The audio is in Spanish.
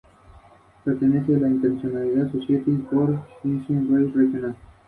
Otro inconveniente, es que los procesos informáticos para lograr esta codificación resultan muy complejos.